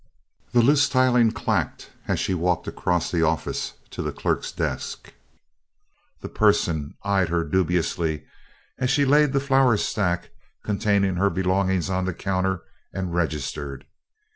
The loose tiling clacked as she walked across the office to the clerk's desk. That person eyed her dubiously as she laid the flour sack containing her belongings on the counter and registered.